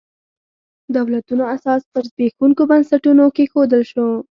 دولتونو اساس پر زبېښونکو بنسټونو کېښودل شو.